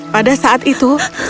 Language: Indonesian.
pada saat itu mary menangis